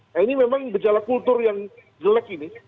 nah ini memang gejala kultur yang jelek ini